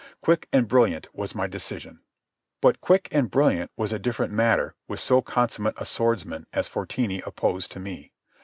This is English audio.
Quick and brilliant was my decision. But quick and brilliant was a difficult matter with so consummate a swordsman as Fortini opposed to me.